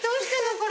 これ。